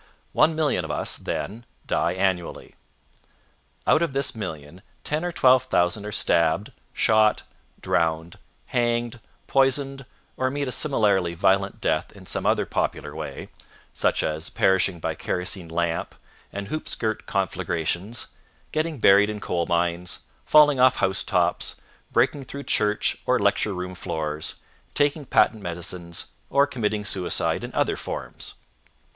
One million of us, then, die annually. Out of this million ten or twelve thousand are stabbed, shot, drowned, hanged, poisoned, or meet a similarly violent death in some other popular way, such as perishing by kerosene lamp and hoop skirt conflagrations, getting buried in coal mines, falling off house tops, breaking through church, or lecture room floors, taking patent medicines, or committing suicide in other forms.